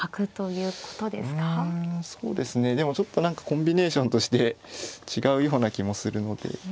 でもちょっと何かコンビネーションとして違うような気もするので。